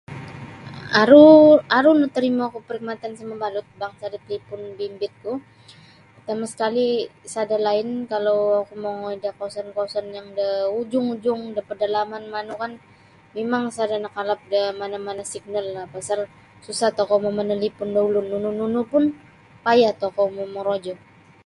Aru aru natarimo ku perkhidmatan isa mabalut bangsa da talipun bimbit ku partama sakali sada line kalau oku mongoi da kawasan-kawasan yang da ujung-ujung da padalaman manu kan mimang sada nakalap da mana-mana signal lah pasal susah tokou mau manalipun da ulun nunu pun [unintelligible] mongorojo.